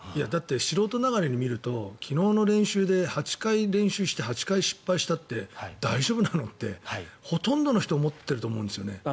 だって素人ながらに見ると昨日の練習で８回練習して８回失敗したって大丈夫なの？ってほとんどの人思っていると思うんですよね。